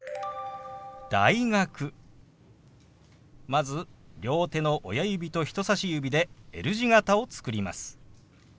まず両手の親指と人さし指でＬ字形を作ります。